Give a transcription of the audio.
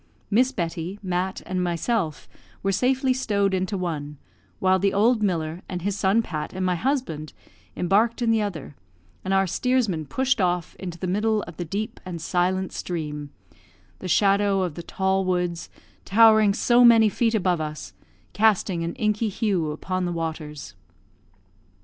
Miss Betty, Mat, and myself, were safely stowed into one, while the old miller, and his son Pat, and my husband, embarked in the other, and our steersmen pushed off into the middle of the deep and silent stream; the shadow of the tall woods, towering so many feet above us, casting an inky hue upon the waters.